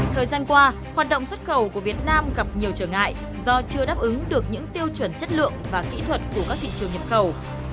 thời gian qua hoạt động xuất khẩu của việt nam gặp nhiều trở ngại do chưa đáp ứng được những tiêu chuẩn chất lượng và kỹ thuật của các thị trường nhập khẩu